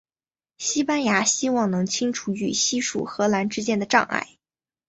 西班牙希望能清除与西属荷兰之间的障碍。